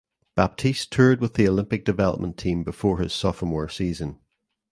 Baptiste toured with the Olympic development team before his sophomore season.